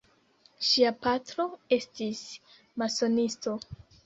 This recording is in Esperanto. Ŝia patro estis masonisto.